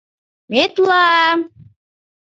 «Метла-а-а!»